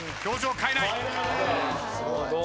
表情変えない。